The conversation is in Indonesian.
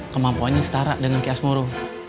dengan setara dengan kias moro